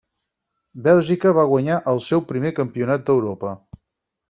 Bèlgica va guanyar el seu primer campionat d'Europa.